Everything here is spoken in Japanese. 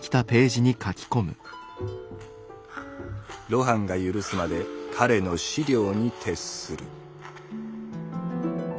「露伴が許すまで彼の資料に徹する」。